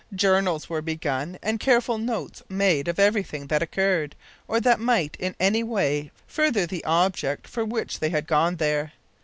Journals were begun, and careful notes made of everything that occurred, or that might in any way further the object for which they had gone there.